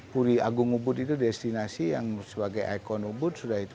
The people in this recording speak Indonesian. puri agung ubud itu destinasi yang sebagai ikon ubud sudah itu